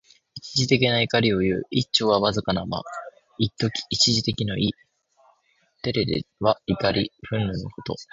一時的な怒りをいう。「一朝」はわずかな間。一時的の意。「忿」は、怒り、憤怒のこと。